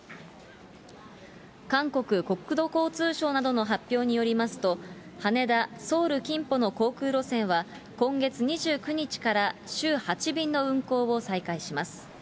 韓国・国土交通省などの発表によりますと、羽田・ソウルキンポのから今月２９日から週８便の運航を再開します。